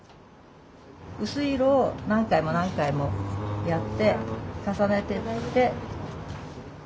薄い色を何回も何回もやって重ねてって。